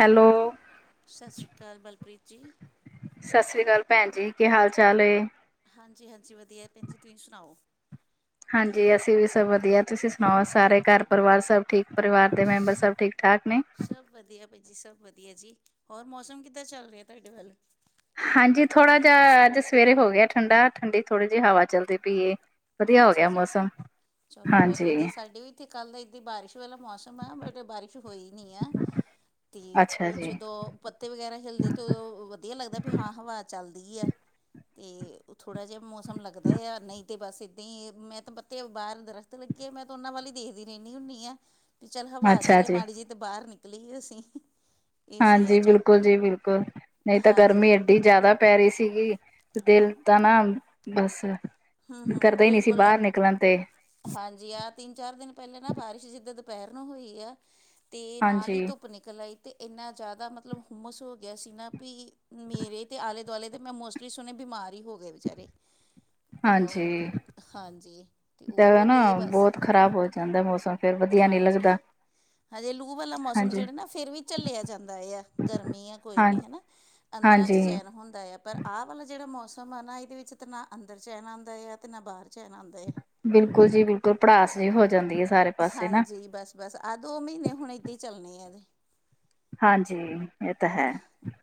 Hello. ਸਤਿ ਸ਼੍ਰੀ ਅਕਾਲ, ਬਲਪ੍ਰੀਤ ਜੀ। ਸਤਿ ਸ੍ਰੀ ਅਕਾਲ ਭੈਣ ਜੀ। ਕੀ, ਹਾਲ-ਚਾਲ ਏ। ਹਾਂਜੀ-ਹਾਂਜੀ, ਵਧੀਆ ਭੈਣ ਜੀ, ਤੁਸੀਂ ਸੁਣਾਓ? ਹਾਂਜੀ ਅਸੀਂ ਵੀ ਸਭ ਵਧੀਆ, ਤੁਸੀ ਣਾਓ, ਹੋਰ ਸਾਰੇ ਹਾਂਜੀ ਘਰ-ਪਰਿਵਾਰ ਸਭ ਠੀਕ, ਪਰਿਵਾਰ ਦੇ ਮੈਂਬਰ ਸਭ ਠੀਕ-ਠਾਕ ਨੇ? ਸਭ ਵਧੀਆ, ਬਾਈ ਜੀ ਸਭ ਵਧੀਆ ਜੀ। ਹੋਰ, ਮੌਸਮ ਕਿੱਦਾਂ ਚੱਲ ਰਿਹਾ ਤੁਹਾਡੇ ਵੱਲ? ਹਾਂਜੀ, ਥੋੜ੍ਹਾ ਜਿਹਾ ਅੱਜ ਸਵੇਰੇ ਹੋ ਗਿਆ ਠੰਡਾ, ਠੰਡੀ ਥੋੜ੍ਹੀ ਜਿਹੀ ਹਵਾ ਚੱਲਦੀ ਪਈ ਏ। ਵਧੀਆ ਅੱਛਾ ਹੋਗਿਆ ਜੀ ਮੌਸਮ, ਚਲੋ ਬਹੁਤ ਵਧੀਆ ਹਾਂਜੀ। ਸਾਡੇ ਵੀ ਇੱਥੇ ਕੱਲ ਦਾ ਏਦਾਂ ਬਾਰਿਸ਼ ਵਾਲਾ ਮੌਸਮ ਆ, ਬਟ ਬਾਰਿਸ਼ ਹੋਈ ਨਹੀਂ ਆ। ਤੇ, ਅੱਛਾ ਉਹ ਜੀ, ਜਦੋਂ ਪੱਤੇ ਵਗੈਰਾ ਹਿਲਦੇ, ਤਾਂ ਉਦੋਂ ਵਧੀਆ ਲੱਗਦਾ ਵੀ ਹਾਂ, ਹਵਾ ਚੱਲਦੀ ਐ। ਤੇ, ਥੋੜ੍ਹਾ ਜਿਹਾ ਮੌਸਮ ਲੱਗਦਾ ਯਾਂ, ਨਹੀਂ ਤੇ ਬਸ ਤੇਂ, ਮੈਂ ਤੇ ਬੱਤੇ ਬਾਹਰ ਦਰਖਤ ਲੱਗੀ ਆ, ਮੈਂ ਤੇ ਉਹਨਾਂ ਵੱਲ ਹੀ ਦੇਖਦੀ ਰਹਿੰਨੀ ਹੁੰਨੀ ਆਂ। ਵੀ ਚੱਲ ਹਵਾ ਅੱਛਾ ਚੱਲੇ ਜੀ। ਮਾੜੀ ਜਿਹੀ, ਤਾਂ ਬਾਹਰ ਨਿਕਲੀਏ ਅਸੀਂ। ਏਸੀਆਂ ਹਾਂਜੀ, ਚੋਂ ਬਿਲਕੁਲ ਜੀ, ਬਿਲਕੁਲ, ਨਹੀਂ ਤਾ ਹਾਂਜੀ ਗਰਮੀ ਇਹਡੀ ਜ਼ਿਆਦਾ ਪੈ ਰਹੀ ਸੀਗੀ, ਦਿਲ ਤਾਂ ਨਾ ਬਸ। ਹੂੰ ਹੂੰ ਕਰਦਾ ਹੀ ਨਹੀਂ ਸੀ ਬਿਲਕੁਲ ਬਾਹਰ ਨਿਕਲਣ ਤੇ। ਹਾਂਜੀ ਆਹ ਤਿੰਨ- ਚਾਰ ਦਿਨ ਪਹਿਲੇ ਨਾ ਬਾਰਿਸ਼ ਜਿੱਦੇਂ ਦੁਪਹਿਰ ਨੂੰ ਹੋਈ ਆ। ਤੇ ਨਾਲ ਹੀ ਹਾਂਜੀ, ਧੁੱਪ ਨਿਕਲ ਆਈ ਤੇ। ਇੰਨਾ ਜ਼ਿਆਦਾ ਮਤਲਬ ਹੁੰਮਸ ਹੋ ਗਿਆ ਸੀ ਨਾ ਵੀ, ਮੇਰੇ ਤੇ ਆਲੇ ਦੁਆਲੇ ਦੇ ਮੈਂ। ਤੁਸੀਂ ਸੁਣੇ ਬਿਮਾਰ ਹੀ ਹੋ ਗਏ ਵਿਚਾਰੇ। ਹਾਂਜੀ ਉਹ ਹਾਂਜੀ ਤੇ ਕਦੇ ਉਹ ਤੇ ਨਾ ਬਸ ਬਹੁਤ ਖ਼ਰਾਬ ਹੋ ਜਾਂਦਾ ਮੌਸਮ। ਫੇਰ ਵਧੀਆ ਨਹੀਂ ਹਾਂਜੀ ਲੱਗਦਾ। ਹਜੇ ਲੂਹ ਵਾਲਾ ਮੌਸਮ ਹਾਂਜੀ ਜਿਹੜਾ ਨਾ ਫਿਰ ਵੀ ਝੱਲਿਆ ਜਾਂਦਾ ਹੈ ਆ ਗਰਮੀ ਆ, ਕੋਈ ਹਾਂ ਨਹੀਂ ਹਨਾ। ਆਂਦਰਾਂ 'ਚ ਹਾਂਜੀ ਚੈਨ ਹੁੰਦਾ ਹੈ। ਪਰ ਆਹ ਵਾਲਾ ਜਿਹੜਾ ਮੌਸਮ ਆ ਨਾ ਇਹਦੇ ਵਿੱਚ ਤਾਂ ਨਾ ਅੰਦਰ ਚੈਨ ਆਉਂਦਾ ਆ ਤੇ ਨਾ ਬਾਹਰ ਚੈਨ ਆਉਂਦਾ ਹੈ। ਬਿਲਕੁਲ ਜੀ ਬਿਲਕੁਲ ਭੜਾਸ ਜਿਹੀ ਹੋ ਜਾਂਦੀ ਹੈ। ਸਾਰੇ ਪਾਸੇ ਨਾ ਹਾਂਜੀ, ਬਸ- ਬਸ, ਆਹ ਦੋ ਮਹੀਨੇ ਹੁਣ, ਇੱਦਾਂ ਹੀ ਚੱਲਣੇ ਆ ਜੀ। ਹਾਂਜੀ, ਇਹ ਤਾਂ ਹੈ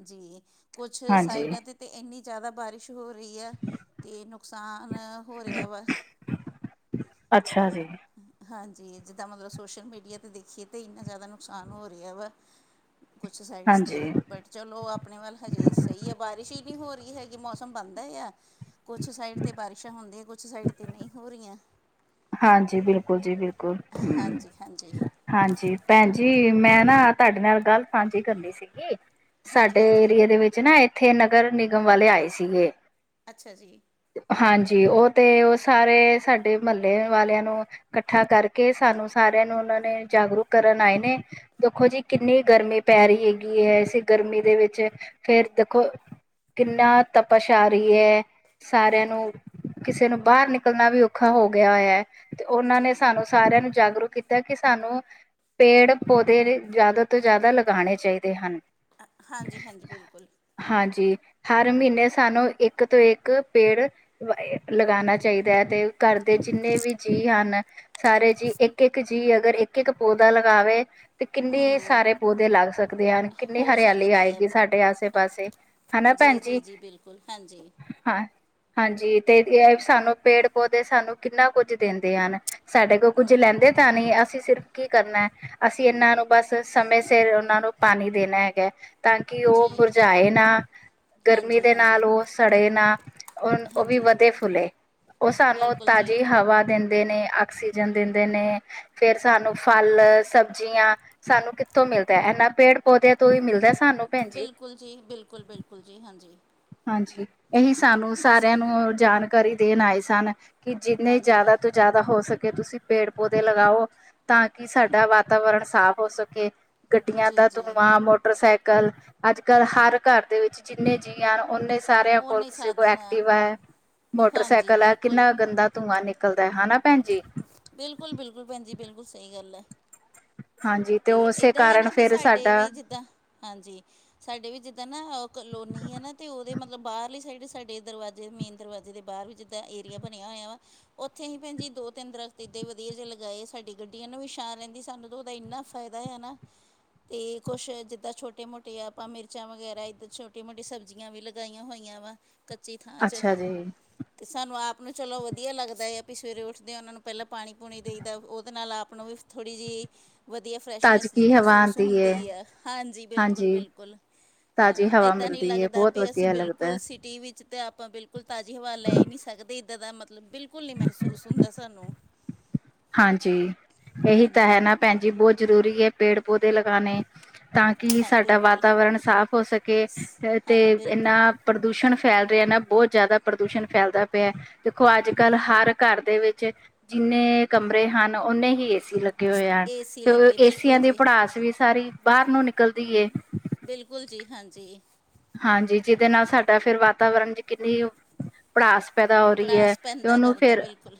ਜੀ, ਕੁੱਛ ਹਾਂਜੀ ਸਾਈਡਾਂ, ਤੇ ਤੇ, ਇੰਨੀ ਜ਼ਿਆਦਾ ਬਾਰਿਸ਼ ਹੋ ਰਹੀ ਆ, ਤੇ ਨੁਕਸਾਨ ਹੋ ਰਿਹਾ ਵਾ। ਅੱਛਾ, ਜੀ, ਹਾਂਜੀ, ਜਿੱਦਾਂ ਮਤਲਬ ਸੋਸ਼ਲ ਮੀਡੀਆ, 'ਤੇ ਦੇਖੀਏ ਤਾਂ ਇੰਨਾ ਜ਼ਿਆਦਾ ਨੁਕਸਾਨ ਹੋ ਰਿਹਾ ਵਾ। ਕੁਛ, ਸਾਈਡਸ 'ਤੇ ਹਾਂਜੀ ਬਟ, ਚਲੋ, ਆਪਣੇ ਵੱਲ ਹਜੇ ਸਹੀ ਆ, ਬਾਰਿਸ਼ ਹੀ ਨਹੀਂ ਹੋ ਰਹੀ ਹੈਗੀ ਮੌਸਮ ਬਣਦਾ ਆ। ਕੁਛ ਸਾਈਡ ਤੇ ਬਾਰਿਸ਼ਾਂ ਹੁੰਦੀਆਂ, ਕੁਛ ਸਾਈਡ ਤੇ ਨਹੀਂ ਹੋ ਰਹੀਆਂ ਹਾਂਜੀ ਬਿਲਕੁਲ ਜੀ ਬਿਲਕੁਲ ਹਾਂਜੀ-ਹਾਂਜੀ, ਹਾਂਜੀ ਭੈਣ ਜੀ ਮੈਂ ਨਾ ਤੁਹਾਡੇ ਨਾਲ ਗੱਲ ਸਾਂਝੀ ਕਰਨੀ ਸੀਗੀ ਸਾਡੇ ਹਾਂਜੀ-ਹਾਂਜੀ ਏਰੀਏ ਦੇ ਵਿੱਚ ਨਾ ਇੱਥੇ ਨਗਰ ਨਿਗਮ ਵਾਲੇ ਆਏ ਸੀਗੇ ਅੱਛਾ ਜੀ ਹਾਂਜੀ ਉਹ ਤੇ ਉਹ ਸਾਰੇ ਸਾਡੇ ਮਤਲਬ ਵਾਲਿਆਂ ਨੂੰ ਇਕੱਠਾ ਕਰਕੇ ਸਾਨੂੰ ਸਾਰਿਆਂ ਨੂੰ ਉਹਨਾਂ ਨੇ ਜਾਗਰੂਕ ਕਰਨ ਆਏ ਨੇ ਦੇਖੋ ਜੀ ਕਿੰਨੀ ਗਰਮੀ ਪੈ ਰਹੀ ਹੈਗੀ ਹੈ, ਇਸ ਗਰਮੀ ਦੇ, ਵਿੱਚ ਫੇਰ ਦੇਖੋ। ਕਿੰਨਾ ਤਪਸ਼ ਆ ਰਹੀ ਹੈ। ਸਾਰਿਆਂ ਨੂੰ, ਹਾਂਜੀ ਕਿਸੇ ਨੂੰ, ਬਾਹਰ ਨਿਕਲਣਾ ਵੀ ਔਖਾ ਹੋ ਗਿਆ ਹੋਇਆ ਤੇ, ਉਹਨਾਂ ਨੇ ਜੀ ਸਾਨੂੰ। ਸਾਰਿਆਂ ਨੂੰ, ਜਾਗਰੂਕ ਕੀਤਾ, ਕਿ ਸਾਨੂੰ ਪੇੜ ਪੌਦੇ ਜ਼ਿਆਦਾ ਤੋਂ ਜ਼ਿਆਦਾ ਲਗਾਉਣੇ ਚਾਹੀਦੇ ਹਨ। ਹਾਂਜੀ, ਹਾਂਜੀ, ਬਿਲਕੁਲ, ਹਾਂਜੀ, ਹਰ ਮਹੀਨੇ ਸਾਨੂੰ, ਇੱਕ ਤੋਂ ਇੱਕ ਪੇੜ। ਲਗਉਣਾ ਚਾਹੀਦਾ ਹੈ। ਤੇ ਘਰ, ਦੇ ਜਿੰਨੇ ਵੀ ਜੀਅ ਹਨ ਸਾਰੇ ਜੀਅ, ਇੱਕ -ਇੱਕ ਜੀਅ ਅਗਰ ਇੱਕ -ਇੱਕ ਪੌਦਾ ਲਗਾਵੇ। ਤੇ ਕਿੰਨੇ ਸਾਰੇ ਪੌਦੇ ਲੱਗ ਸਕਦੇ ਹਨ, ਕਿੰਨੀ ਹੋ ਹਰਿਆਲੀ ਸਕਦੀ ਹੈ ਆਏਗੀ। ਸਾਡੇ ਆਸੇ- ਪਾਸੇ, ਹਨਾ ਜੀ, ਭੈਣ ਜੀ, ਜੀ, ਬਿਲਕੁਲ, ਹਾਂਜੀ, ਹਾਂ ਹਾਂਜੀ, ਤੇ ਇਹ ਸਾਨੂੰ ਪੇੜ ਪੌਦੇ ਸਾਨੂੰ ਕਿੰਨਾ ਕੁੱਝ ਦਿੰਦੇ ਹਨ, ਸਾਡੇ ਕੋਲ ਕੁੱਝ ਲੈਂਦੇ ਤਾਂ ਨਹੀ, ਅਸੀਂ ਸਿਰਫ਼ ਕੀ ਕਰਨਾ। ਅਸੀਂ ਇਹਨਾਂ ਨੂੰ, ਬਸ ਸਮੇਂ ਸਿਰ, ਉਹਨਾਂ ਨੂੰ ਪਾਣੀ ਦੇਣਾ ਹੈਗਾ। ਤਾਂ ਕਿ, ਜੀ ਉਹ ਮੁਰਝਾਏ ਨਾ। ਗਰਮੀ ਹਾਂਜੀ ਦੇ ਹਾਂਜੀ ਨਾਲ ਉਹ ਸੜੇ ਨਾ, ਉਹ ਉਹ ਵੀ ਹਾਂਜੀ ਵਧੇ ਫੁਲੇ, ਉਹ ਸਾਨੂੰ ਬਿਲਕੁਲ ਜੀ ਤਾਜ਼ੀ ਹਵਾ ਦਿੰਦੇ ਨੇ, ਆਕਸੀਜਨ ਦਿੰਦੇ ਨੇ, ਫੇਰ ਸਾਨੂੰ ਫਲ, ਸਬਜ਼ੀਆਂ। ਸਾਨੂੰ ਕਿੱਥੋਂ ਮਿਲਦਾ, ਇੰਨਾ ਪੇੜ ਪੌਦਿਆਂ, ਤੋਂ ਹੀ ਮਿਲਦਾ ਸਾਨੂੰ, ਬਿਲਕੁਲ, ਜੀ, ਬਿਲਕੁਲ- ਬਿਲਕੁਲ, ਜੀ, ਹਾਂਜੀ, ਹਾਂਜੀ, ਇਹੀ ਸਾਨੂੰ ਅਸੀਂ ਸਾਰਿਆਂ ਨੂੰ ਜਾਣਕਾਰੀ ਦੇਣ ਆਏ ਸਨ, ਕਿ ਜਿੰਨੇ ਹਾਂਜੀ ਜ਼ਿਆਦਾ ਤੁ, ਜ਼ਿਆਦਾ ਹੋ ਸਕੇ ਤੁਸੀਂ, ਪੇੜ ਪੌਦੇ ਲਗਾਓ। ਤਾਂ ਕਿ, ਸਾਡਾ ਵਾਤਾਵਰਨ ਸਾਫ਼ ਹੋ ਸਕੇ। ਗੱਡੀਆਂ ਜੀ ਦਾ ਜੀ ਧੂੰਆਂ, ਮੋਟਰਸਾਈਕਲ, ਅੱਜ- ਕੱਲ੍ਹ ਹਰ ਘਰ ਦੇ ਵਿੱਚ, ਜਿੰਨੇ ਜੀ ਯਾਰ, ਉੱਨੀ ਸਾਰਿਆਂ ਕੋਲ ਓਨੇ ਕਿਸੇ ਕੋਲ ਸਾਧਨ ਐਕਟਿਵ ਹੈ, ਹਾਂਜੀ ਮੋਟਰਸਾਈਕਲ ਹੈ। ਬਿਲਕੁਲ ਕਿੰਨਾ ਗੰਦਾ ਧੂੰਆਂ ਨਿਕਲ ਨਿਕਲਦਾ ਹੈ ਹਾ ਨਾ ਭੈਣ ਜੀ। ਬਿਲਕੁਲ-ਬਿਲਕੁਲ, ਭੈਣ ਜੀ ਬਿਲਕੁਲ, ਸਹੀ ਗੱਲ ਹੈ। ਹਾਂਜੀ ਤੇ ਉਸੇ ਏਦਾਂ ਹੈ ਕਾਰਨ ਨਾ ਵੀ, ਫੇਰ ਸਾਡੇ ਸਾਡਾ ਵੀ ਜਿੱਦਾਂ, ਹਾਂਜੀ, ਸਾਡੇ ਵੀ ਜਿੱਦਾਂ ਨਾ ਕਲੋਨੀ ਆ ਨਾ ਤੇ, ਉਹਦੇ ਮਤਲਬ ਬਾਹਰਲੀ ਸਾਈਡ, ਸਾਡੇ ਦਰਵਾਜ਼ੇ ਮੇਨ ਦਰਵਾਜ਼ੇ ਦੇ ਬਾਹਰ ਵੀ ਜਿੱ ਦਾ ਏਰੀਆ ਬਣਿਆ ਹੋਇਆ ਵਾ, ਉੱਥੇ ਹੀ ਭੈਣ ਜੀ, ਦੋ-ਤਿੰਨ ਦਰੱਖਤ ਅਤੇ, ਇੱਦਾਂ ਵਧੀਆ ਜੇਹੇ ਲਗਾਏ ਸਾਡੀ ਗੱਡੀ ਇਹ ਨੂੰ ਵੀ ਛਾ ਰਹਿੰਦੀ ਸਾਨੂੰ ਤਾਂ ਉਹਦਾ ਇੰਨਾ ਫਾਇਦਾ ਹੈਨਾ। ਅਤੇ ਕੁਛ ਜਿੱਦਾਂ ਛੋਟੇ-ਮੋਟੇ ਆਪਾਂ ਮਿਰਚਾਂ ਵਗੈਰਾ ਇੱਧਰ, ਛੋਟੀ- ਮੋਟੀ ਸਬਜ਼ੀਆਂ ਵੀ ਲ ਲਗਾਈਆਂ ਹੋਈਆਂ ਵਾ। ਕੱਚੀ ਥਾਂ ਚ ਅੱਛਾ ਜੀ। ਅਤੇ, ਸਾਨੂੰ ਆਪ ਨੂੰ ਚਲੋ ਵਧੀਆ ਲੱਗਦਾ ਹੈ, ਆਪ ਸਵੇਰੇ ਉੱਠਦੇ ਹਾਂ ਉਹਨਾਂ ਨੂੰ ਪਹਿਲਾਂ ਪਾਣੀ ਪੂਣੀ ਦੇਈ ਦਾ, ਉਹਦੇ ਨਾਲ ਆਪ ਨੂੰ ਵੀ ਥੋੜ੍ਹੀ ਜਿਹੀ। ਵਧੀਆ ਫਰੈਸ਼ਨੈਸ ਜੀ ਤਾਜ਼ਗੀ ਹਵਾ ਮਹਿਸੂਸ ਆਂਦੀ ਏ ਹੁੰਦੀ ਹੈ, ਹਾਂਜੀ ਹਾਂਜੀ ਬਿਲਕੁੱਲ-ਬਿਲਕੁੱਲ। ਤਾਜ਼ੀ ਹਾਂ, ਹਵਾ ਇੱਦਾਂ ਨਹੀਂ ਮਿਲਦੀ ਏ ਲੱਗਦਾ ਬਹੁਤ ਪਿਆ ਸੀ ਅਸੀਂ ਵਧੀਆ ਲੱਗਦਾ। ਹੈ। ਬਿਲਕੁੱਲ ਸੀ ਟੀ ਵੀ ਚ ਤਾਂ ਆਪਾਂ ਬਿਲਕੁੱਲ ਤਾਜ਼ੀ ਹਵਾ ਲੈ ਹੀ ਨਹੀਂ ਸਕਦੇ ਇੱਦਾਂ ਦਾ ਮੱਤਲਬ ਬਿਲਕੁੱਲ ਨਹੀਂ ਮਹਿਸੂਸ ਹੁੰਦਾ ਸਾਨੂੰ। ਹਾਂਜੀ, ਇਹੀ ਤਾਂ ਹੈ ਹਾਂਜੀ ਨਾ ਭੈਣਜੀ ਬਹੁਤ ਜ਼ਰੂਰੀ ਹੈ ਪੇੜ-ਪੌਦੇ ਲਗਾਉਣੇ। ਤਾਂਕਿ ਹਾਂ ਸਾਡਾ ਬਿਲਕੁਲ ਵਾਤਾਵਰਨ ਸਾਫ਼ ਹੋ ਸਕੇ ਤੇ ਹਾਂ ਬਿਲਕੁਲ ਇਨਾ ਪ੍ਰਦੂਸ਼ਣ ਫੈਲ ਰਿਹਾ ਨਾ ਬਹੁਤ ਜ਼ਿਆਦਾ ਪ੍ਰਦੂਸ਼ਣ ਫੈਲਦਾ ਪਿਆ। ਦੇਖੋ ਅੱਜ-ਕੱਲ੍ਹ ਹਰ ਘਰ ਦੇ ਵਿੱਚ ਜਿੰਨੇ ਕਮਰੇ ਹਨ ਓਨੇ ਹੀ ਏਸੀ ਲੱਗੇ ਹੋਏ ਹਨ ਏਸੀ ਤੇ ਲੱਗੇ ਬਿਲਕੁਲ ਏਸੀਆਂ ਦੀ ਜੀ ਪੜਾਸ ਵੀ ਸਾਰੀ ਬਾਹਰ ਨੂੰ ਨਿਕਲ ਬਿਲਕੁੱਲ ਜੀ ਹਾਂਜੀ। ਹਾਂਜੀ, ਜਿਹਦੇ ਨਾਲ ਸਾਡਾ ਫਿਰ ਵਾਤਾਵਰਣ ਜੀ ਕਿੰਨੀ ਉਹ ਪੜਾਸ ਪੈਦਾ ਹੋ ਰਹੀ ਹੈ ਪੜਾਸ ਤੇ ਪੈਂਦਾ ਉਹਨੂੰ ਕਰਦਾ ਫਿਰ ਬਿਲਕੁਲ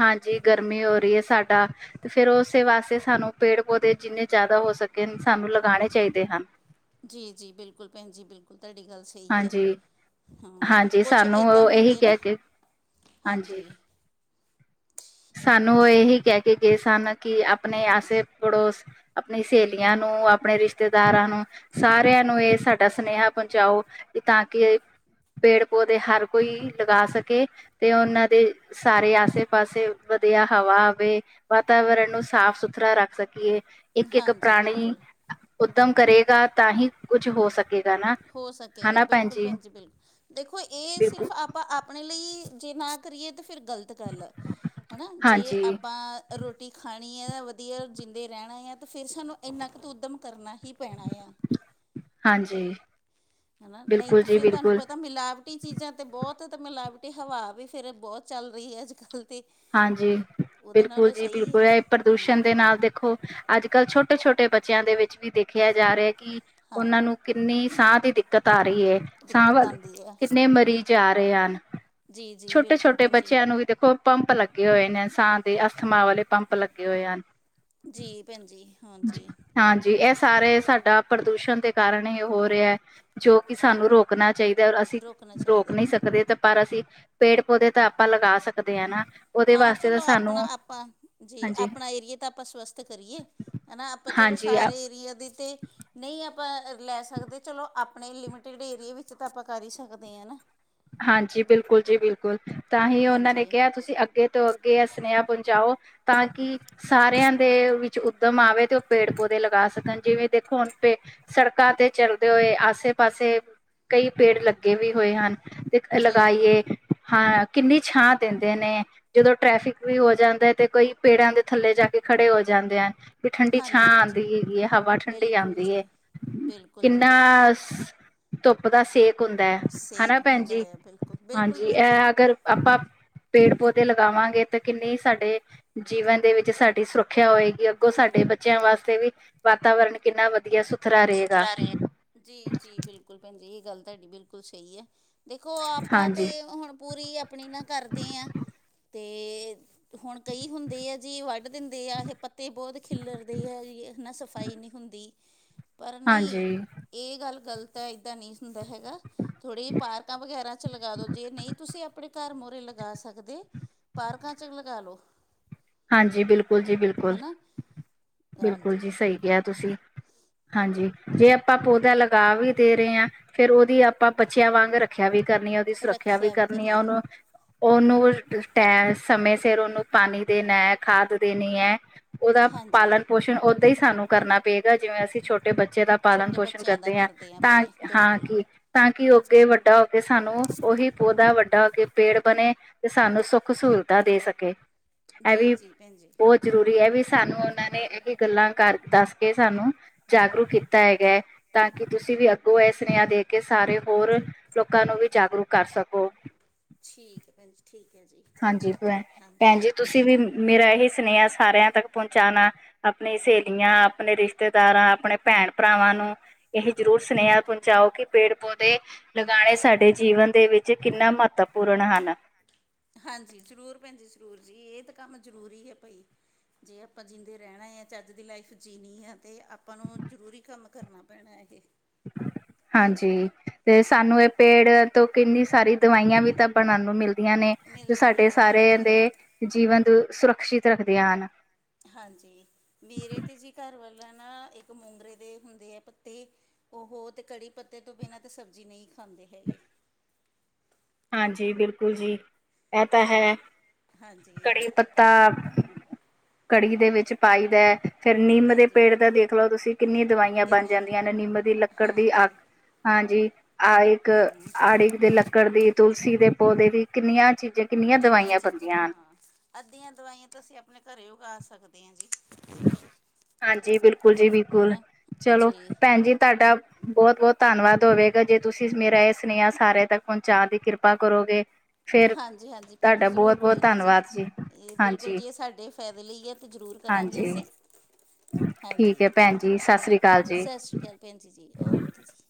ਹਾਂਜੀ, ਗਰਮੀ ਹੋ ਰਹੀ ਹੈ ਸਾਡਾ ਤੇ ਫਿਰ ਉਸੇ ਵਾਸਤੇ ਸਾਨੂੰ ਪੇੜ ਪੋਦੇ ਜਿੰਨੇ ਜ਼ਿਆਦਾ ਹੋ ਸਕੇ ਸਾਨੂੰ ਲਗਾਉਣੇ ਚਾਹੀਦੇ ਹਨ। ਜੀ-ਜੀ, ਬਿਲਕੁੱਲ ਭੈਣਜੀ ਬਿਲਕੁੱਲ ਤੁਹਾਡੀ ਗੱਲ ਸਹੀ ਹੈ। ਹਾਂਜੀ ਹਾਂ, ਹਾਂਜੀ ਕੁੱਛ ਸਾਨੂੰ ਏਦਾਂ ਉਹ ਇਹੀ ਹੁੰਦੇ ਨਾ ਕਹਿ ਕੇ ਹਾਂਜੀ। ਸਾਨੂੰ ਉਹ ਇਹੀ ਕਹਿ ਕੇ ਗਏ ਸਨ ਕਿ ਆਪਣੇ ਆਸੇ ਪੜੋਸ ਆਪਣੀ ਸਹੇਲੀਆਂ ਨੂੰ ਆਪਣੇ ਰਿਸ਼ਤੇਦਾਰਾਂ ਨੂੰ ਸਾਰਿਆਂ ਨੂੰ ਇਹ ਸਾਡਾ ਸੁਨੇਹਾ ਪਹੁੰਚਾਓ ਤਾਂ ਕੀ ਪੇੜ-ਪੌਦੇ ਹਰ ਕੋਈ ਲਗਾ ਸਕੇ ਤੇ ਉਹਨਾਂ ਦੇ ਸਾਰੇ ਆਸੇ-ਪਾਸੇ ਵਧੀਆ ਹਵਾ ਆਵੇ ਵਾਤਾਵਰਨ ਨੂੰ ਸਾਫ-ਸੁਥਰਾ ਰੱਖ ਸਕੀਏ। ਇੱਕ-ਇੱਕ ਹਾਂਜੀ ਪ੍ਰਾਣੀ ਬਿਲਕੁਲ ਉਦਮ ਕਰੇਗਾ ਤਾਂ ਹੀ ਕੁੱਝ ਹੋ ਸਕੇਗਾ ਨਾ। ਹੋ ਸਕੇਗਾ ਬਿਲਕੁੱਲ ਭੈਣ ਜੀ ਬਿਲਕੁੱਲ ਦੇਖੋ ਇਹ ਬਿਲਕੁਲ ਸਿਰਫ ਆਪਾਂ ਉਹਨਾਂ ਲਈ ਜੇ ਨਾ ਕਰੀਏ ਤਾਂ ਫਿਰ ਗਲਤ ਗੱਲ ਹੈ ਨਾ ਜੇ ਹਾਂਜੀ ਆਪਾਂ ਰੋਟੀ ਖਾਣੀ ਹੈ ਜਾਂ ਵਧੀਆ ਜਿੰਦੇ ਰਹਿਣਾ ਆ ਤਾਂ ਫਿਰ ਸਾਨੂੰ ਇੰਨਾ ਕੁ ਤਾਂ ਉੱਦਮ ਕਰਨਾ ਹੀ ਪੈਣਾ ਆ। ਹਾਂਜੀ। ਹੈਨਾ ਨਹੀਂ ਬਿਲਕੁਲ ਤੇ ਜੀ ਫਿਰ ਤੁਹਾਨੂੰ ਬਿਲਕੁਲ ਪਤਾ ਮਿਲਾਵ ਮਿਲਾਵਟੀ ਚੀਜ਼ਾਂ ਤੇ ਬਹੁਤ ਤਾਂ ਮਿਲਾਵਟੀ ਹਵਾ ਵੀ ਫਿਰ ਬਹੁੱਤ ਚੱਲ ਰਹੀ ਹੈ ਅੱਜ-ਕੱਲ। ਹਾਂਜੀ, ਬਿਲਕੁੱਲ ਜੀ ਸਹੀ ਬਿਲਕੁੱਲ, ਇਹ ਹਮ ਪ੍ਰਦੂਸ਼ਣ ਦੇ ਨਾਲ ਦੇਖੋ ਅੱਜ-ਕੱਲ੍ਹ ਛੋਟੇ-ਛੋਟੇ ਬੱਚੇ ਬੱਚਿਆਂ ਦੇ ਵਿੱਚ ਵੀ ਦੇਖਿਆ ਜਾ ਰਿਹਾ ਕਿ ਉਹਨਾਂ ਹਾਂ ਨੂੰ ਕਿੰਨੀ ਸਾਹ ਦੀ ਦਿੱਕਤ ਆ ਰਹੀ ਹੈ ਸਾਹ ਦਿੱਕਤ ਵਾੱਲੇ ਆਉਂਦੀ ਹੈ ਕਿੰਨੇ ਮਰੀਜ਼ ਜਾ ਰਹੇ ਹਨ ਜੀ ਜੀ ਬਿਲਕੁਲ ਛੋਟੇ-ਛੋਟੇ ਭੈਣ ਜੀ ਬੱਚਿਆਂ ਨੂੰ ਵੀ ਦੇਖੋ ਪੰਪ ਲੱਗੇ ਹੋਏ ਨੇ ਸਾਹ ਦੇ ਅਸਥਮਾ ਵਾਲੇ ਪੰਪ ਲੱਗੇ ਹੋਏ ਹਨ। ਜੀ, ਭੈਣਜੀ। ਹਾਂਜੀ, ਇਹ ਸਾਰੇ ਸਾਡਾ ਪ੍ਰਦੂਸ਼ਣ ਦੇ ਕਾਰਨ ਹੀ ਹੋ ਰਿਹਾ। ਜੋ ਕਿ ਸਾਨੂੰ ਰੋਕਣਾ ਚਾਹੀਦਾ ਔਰ ਅਸੀਂ ਰੋਕਣਾ ਰੋਕ ਚਾਹੀਦਾ ਨਹੀਂ ਸਕਦੇ ਤਾਂ ਪਰ ਅਸੀਂ ਪੇੜ-ਪੌਦੇ ਤਾਂ ਆਪਾਂ ਲਗਾ ਸਕਦੇ ਹਾਂ ਨਾ ਉਹਦੇ ਹਾਂ, ਵਾਸਤੇ ਤਾਂ ਚਲੋ ਸਾਨੂੰ ਆਪਣਾ-ਆਪਾਂ ਜੀ ਹਾਂਜੀ ਆਪਣਾ ਏਰੀਏ ਤਾਂ ਆਪਾਂ ਸਵਸੱਥ ਤੇ ਕਰੀਏ, ਹਨਾ ਆਪਾਂ ਚਲੋ ਹਾਂਜੀ ਸਾਰੇ ਏਰੀਏ ਦੇ ਤੇ ਨਹੀਂ ਆਪਾਂ ਲੈ ਸਕਦੇ ਚਲੋ ਆਪਣੇ ਲਿਮਟਿਡ ਏਰੀਏ ਵਿੱਚ ਤਾਂ ਆਪਾਂ ਕਰ ਹੀ ਸਕਦੇ ਹਾਂ ਨਾ ਹਾਂਜੀ ਬਿਲਕੁੱਲ ਜੀ ਬਿਲਕੁੱਲ, ਤਾਂ ਹੀ ਉਹਨਾਂ ਨੇ ਹਾਂਜੀ ਕਿਹਾ ਤੁਸੀਂ ਅੱਗੇ ਅੱਗੇ ਤੋਂ ਅੱਗੇ ਸੁਨੇਹਾ ਪਹੁੰਚਾਓ ਤਾਂ ਕਿ ਸਾਰਿਆਂ ਦੇ ਜੋ ਉੱਦਮ ਆਵੇ ਤੇ ਉਹ ਪੇੜ-ਪੌਦੇ ਲਗਾ ਸਕਣ ਜਿਵੇਂ ਦੇਖੋ ਹੁਣ ਪੇ ਸੜਕਾਂ ਤੇ ਚਲਦੇ ਹੋਏ, ਆਸੇ- ਪਾਸੇ ਕਈ ਪੇੜ ਲੱਗੇ ਵੀ ਹੋਏ ਹਨ ਦਰਖਤ ਜੀ ਲਗਾਈਏ, ਹਾਂ ਕਿੰਨੀ ਛਾਂ ਦਿੰਦੇ ਨੇ ਜਦੋਂ ਟ੍ਰੈਫਿਕ ਵੀ ਹੋ ਜਾਂਦਾ ਤੇ ਕਈ ਪੇੜਾਂ ਦੇ ਥੱਲੇ ਜਾ ਕੇ ਖੜੇ ਹੋ ਜਾਂਦੇ ਹਨ ਤੇ ਠੰਡੀ ਛਾਂ ਹਾਂਜੀ ਭੈਣ ਆਉਂਦੀ ਜੀ ਹੈਗੀ ਹੈ ਹਵਾ ਠੰਡੀ ਬਿਲਕੁਲ ਆਉਂਦੀ ਜੀ ਹੈ ਬਿਲਕੁਲ ਜੀ ਕਿੰਨਾ, ਬਿਲਕੁਲ ਧੁੱਪ ਦਾ ਸੇਕ ਹੁੰਦਾ ਹੈ ਹਨਾ ਸੇਕ ਹੁੰਦਾ ਭੈਣਜੀ, ਆ ਬਿਲਕੁਲ ਬਿਲਕੁਲ ਹਾਂਜੀ ਭੈਣ ਜੀ ਇਹ ਅਗਰ ਆਪਾਂ ਪੇੜ ਪੌਦੇ ਲਗਾਵਾਂਗੇ ਤੇ ਕਿੰਨੇ ਸਾਡੇ ਜੀਵਨ ਦੇ ਵਿੱਚ ਸਾਡੀ ਸੁਰੱਖਿਆ ਹੋਏਗੀ ਅੱਗੋਂ ਸਾਡੇ ਬੱਚਿਆਂ ਵਾਸਤੇ ਵੀ। ਵਾਤਾਵਰਨ ਕਿੰਨਾ ਵਧੀਆ। ਸੁਥਰਾ ਰਹੇ, ਜੀ- ਜੀ ਬਿਲਕੁਲ ਭੈਣ ਜੀ ਇਹ ਗੱਲ ਤੁਹਾਡੀ ਬਿਲਕੁਲ ਸਹੀ ਹੈ। ਦੇਖੋ ਆਪਾਂ ਤਾਂ ਹਾਂਜੀ ਹੁਣ ਪੂਰੀ ਆਪਣੀ ਨਾ ਕਰਦੇ ਹਾਂ, ਤੇ। ਹੁਣ ਕਈ ਹੁੰਦੇ ਆ ਜੀ ਵੱਢ ਦਿੰਦੇ ਆ ਇਹ ਪੱਤੇ ਬਹੁਤ ਖਿਲਰਦੇ ਆ ਜੀ ਨਾ ਸਫਾਈ ਨਹੀਂ ਹੁੰਦੀ। ਪਰ ਨਹੀਂ, ਹਾਂਜੀ ਇਹ ਗੱਲ ਗ਼ਲਤ ਹੈ ਏਦਾਂ ਨਹੀਂ ਹੁੰਦਾ ਹੈਗਾ। ਥੋੜ੍ਹੀ ਜਿ ਪਾਰਕਾਂ ਵਗੈਰਾ ਚ ਲਗਾ ਦੋ ਜੇ ਨਹੀਂ ਤੁਸੀਂ ਆਪਣੇ ਘਰ ਮੂਹਰੇ ਲਗਾ ਸਕਦੇ। ਪਾਰਕਾ ਚ ਲਗਾ ਲਓ। ਹਾਂਜੀ ਬਿਲਕੁਲ ਜੀ ਬਿਲਕੁਲ- ਹਨਾ ਬਿਲਕੁਲ ਹਾਂਜੀ ਜੀ ਸਹੀ ਕਿਹਾ ਤੁਸੀਂ। ਜੀ, ਜੇ ਆਪਾਂ ਪੌਦਾ ਲਗਾ ਵੀ ਦੇ ਰਹੇ ਹਾਂ ਫੇਰ ਉਹਦੀ ਆਪਾਂ ਬੱਚਿਆਂ ਵਾਂਗ ਰੱਖਿਆ ਵੀ ਕਰਨੀ ਆ। ਦੀ ਸੁਰੱਖਿਆ ਵੀ ਰੱਖਿਆ ਕਰਨੀ ਆ ਕਰੀਏ ਉਹਨੂੰ। ਉਹਨੂੰ ਟਾਈਮ ਸਮੇਂ ਸਿਰ ਉਹਨੂੰ ਪਾਣੀ ਦੇਣਾ ਹੈ ਖਾਦ ਦੇਣੀ ਹੈ। ਉਹਦਾ ਪਾਲਣ ਹਾਂਜੀ ਪੋਸ਼ਣ ਓਦਾਂ ਹੀ ਸਾਨੂੰ। ਕਰਨਾ ਪਏਗਾ ਜਿਵੇਂ ਅਸੀਂ ਛੋਟੇ ਬੱਚੇ ਦਾ ਪਾਲਣ ਛੋਟੇ ਪੋਸ਼ਣ ਬੱਚਿਆਂ ਦਾ ਕਰਦੇ ਹਾਂ ਆ ਤਾਂ ਆਪਣੇ ਹਾਂ ਬਿਲਕੁਲ ਕਿ। ਤਾਂ ਕਿ ਅੱਗੇ ਵੱਡਾ ਹੋ ਕੇ ਸਾਨੂੰ ਉਹੀ ਪੌਦਾ ਵੱਡਾ ਹੋ ਕੇ ਪੇੜ ਬਣੇ। ਤੇ ਸਾਨੂੰ ਸੁੱਖ ਸਹੂਲਤਾਂ ਦੇ ਸਕੇ। ਇਹ ਜੀ ਵੀ ਜੀ ਭੈਣ ਜੀ ਬਹੁਤ ਜ਼ਰੂਰੀ ਹੈ ਵੀ ਸਾਨੂੰ ਉਹਨਾਂ ਨੇ ਇਹ ਵੀ ਗੱਲਾਂ ਘਰ ਦੱਸ ਕੇ ਸਾਨੂੰ। ਜਾਗਰੂਕ ਕੀਤਾ ਹੈਗਾ ਤਾਂ ਕਿ ਤੁਸੀਂ ਵੀ ਅੱਗੋਂ ਇਹ ਸੁਨੇਹਾ ਦੇ ਕੇ ਸਾਰੇ ਹੋਰ। ਲੋਕਾਂ ਨੂੰ ਵੀ ਜਾਗਰੂਕ ਕਰ ਸਕੋ। ਠੀਕ ਹੈ ਭੈਣ ਜੀ, ਠੀਕ ਹੈ ਜੀ। ਹਾਂਜੀ ਭੈਣ, ਹਾਂਜੀ ਭੈਣ ਜੀ ਤੁਸੀਂ ਵੀ ਮੇਰਾ ਇਹ ਹੀ ਸੁਨੇਹਾ ਸਾਰਿਆਂ ਤੱਕ ਪਹੁੰਚਾਉਣਾ। ਆਪਣੀ ਸਹੇਲੀਆਂ, ਆਪਣੇ ਰਿਸ਼ਤੇਦਾਰਾਂ, ਆਪਣੇ ਭੈਣ ਭਰਾਵਾਂ ਨੂੰ। ਇਹ ਜ਼ਰੂਰ ਸੁਨੇਹਾ ਪਹੁੰਚਾਓ ਕਿ ਪੇੜ ਪੌਦੇ। ਲਗਾਉਣੇ ਸਾਡੇ ਜੀਵਨ ਦੇ ਵਿੱਚ ਕਿੰਨਾ ਮਹੱਤਵਪੂਰਨ ਹਨ। ਹਾਂਜੀ ਜ਼ਰੂਰ ਭੈਣ ਜੀ ਜ਼ਰੂਰ ਜੀ ਇਹ ਤਾਂ ਕੰਮ ਜ਼ਰੂਰੀ ਹੈ ਭਾਈ। ਜੇ ਆਪਾਂ ਜੀਂਉਦੇ ਰਹਿਣਾ ਹੈ ਚਜ ਦੀ ਲਾਈਫ ਜੀਉਣੀ ਆ ਤਾਂ ਆਪਾਂ ਨੂੰ ਜ਼ਰੂਰੀ ਕੰਮ ਕਰਨਾ ਪੈਣਾ ਇਹ। ਹਾਂਜੀ, ਤੇ ਸਾਨੂੰ ਇਹ ਪੇੜ ਤੋਂ ਕਿੰਨੀ ਸਾਰੀ ਦਵਾਈਆਂ ਵੀ ਤਾਂ। ਬਣਨ ਨੂੰ ਮਿਲਦੀਆਂ ਨੇ ਜੋ ਸਾਡੇ ਮਿਲਦੀਆਂ ਸਾਰਿਆਂ ਹਾਂਜੀ ਦੇ ਜੀਵਨ ਤੋਂ ਸੁਰੱਖਸ਼ਿਤ ਰੱਖਦੀਆਂ ਹਨ। ਹਾਂਜੀ ਮੇਰੇ ਤੇ ਜੀ ਘਰ ਵਾਲਾ ਨਾ ਇੱਕ ਮੁੰਗਰੇ ਦੇ ਹੁੰਦੇ ਹੈ ਪੱਤੇ। ਉਹ ਤਾਂ ਕੜੀ ਪੱਤੇ ਤੋਂ ਬਿਨਾਂ ਤਾਂ ਸਬਜ਼ੀ ਨਹੀਂ ਖਾਂਦੇ ਹੈਗੇ। ਹਾਂਜੀ ਬਿਲਕੁਲ ਜੀ, ਇਹ ਤਾਂ ਹੈ, ਹਾਂਜੀ ਕੜੀ ਪਤਾ। ਤਾਂ, ਕੜੀ ਦੇ ਵਿੱਚ ਪਾਈ ਦਾ। ਫਿਰ ਨਿੰਮ ਦੇ ਹਾਂਜੀ ਪੇੜ ਦਾ ਦੇਖ ਲੋ ਤੁਸੀਂ ਕਿੰਨੀਆਂ ਦਵਾਈਆਂ ਬਣ ਕਿੰਨੇ ਜਾਂਦੀਆਂ ਨੇ ਨਿੰਮ ਦੀ ਲੱਕੜ ਦੀ ਹਾਂਜੀ ਅੱਗ। ਹਾਂਜੀ, ਆ ਇੱਕ ਹੂੰ ਆੜ। ਦੇ ਲੱਕੜ ਦੀ ਤੁਲਸੀ ਦੇ ਪੌਦੇ ਦੀ ਕਿੰਨੀਆਂ ਚੀਜ਼ਾਂ, ਕਿੰਨੀਆਂ ਦਵਾਈਆਂ ਚੀਜ਼ਾਂ ਬਣਦੀਆਂ ਹਨ। ਹਾਂ ਅੱਧੀਆਂ ਦਵਾਈਆਂ ਤਾਂ ਅਸੀਂ ਆਪਣੇ ਘਰੇ ਉਗਾ ਸਕਦੇ ਹਾਂ ਜੀ। ਹਾਂਜੀ ਬਿਲਕੁਲ ਜੀ ਬਿਲਕੁਲ, ਹਨਾ ਚਲੋ ਜੀ ਭੈਣ ਜੀ ਤੁਹਾਡਾ। ਬਹੁਤ- ਬਹੁਤ ਧੰਨਵਾਦ ਹੋਵੇਗਾ ਜੇ ਤੁਸੀਂ ਮੇਰਾ ਇਹ ਸੁਨੇਹਾ ਸਾਰਿਆਂ ਤੱਕ ਪਹੁੰਚਾ ਦੀ ਕਿਰਪਾ ਕਰੋਗੇ। ਫਿਰ ਹਾਂਜੀ- ਹਾਂਜੀ ਭੈਣ ਜੀ ਤੁਹਾਡਾ ਜ਼ਰੂਰ ਬਹੁਤ ਬਹੁਤ ਕੋਈ ਨਹੀਂ ਜੀ, ਧੰਨਵਾਦ ਇਹ ਬਿਲਕੁਲ ਹਾਂਜੀ ਜੀ ਇਹ ਸਾਡੇ। ਫਾਇਦੇ ਲਈਏ ਅਤੇ ਜ਼ਰੂਰ ਕਰਾਂਗੇ ਹਾਂਜੀ ਅਸੀ ਹਾਂਜੀ ਠੀਕ ਹੈ ਭੈਣ ਜੀ ਸਤਿ ਠੀਕ ਸ੍ਰੀ ਅਕਾਲ ਜੀ ਸਤਿ ਸ਼੍ਰੀ ਅਕਾਲ ਭੈਣ ਜੀ- ਜੀ ਓਕੇ ਜੀ।